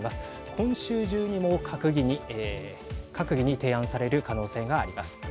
今週中にも閣議に提案される可能性があります。